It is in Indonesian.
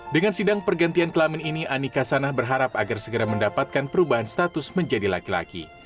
dengan sidang pergantian kelamin ini anika sanah berharap agar segera mendapatkan perubahan status menjadi laki laki